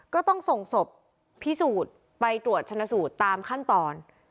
ก็ต้องส่งศพพิสูจน์ไปตรวจชนะสูตรตามขั้นตอน